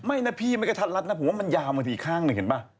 ไม่นะพี่ไม่กระทัดรัดนะผมว่ามันยาวมาทีข้างหนึ่งเห็นป่ะ